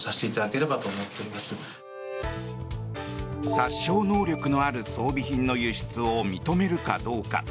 殺傷能力のある装備品の輸出を認めるかどうか。